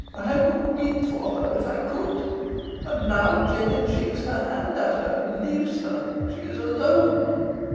I would weep for her if I could. And now Jennet shakes her hand at her, and leaves her. She is alone.